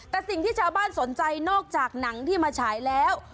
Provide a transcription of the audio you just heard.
แต่สิ่งที่ชาวบ้านสนใจนอกจากหนังที่มาฉายแล้ว